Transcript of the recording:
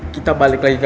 kita balik lagi ke aula